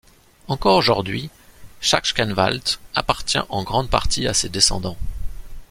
Encore aujourd'hui, Sachsenwald appartient en grande partie à ses descendants.